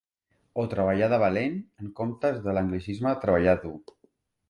O treballar de valent en comptes de l'anglicisme treballar dur.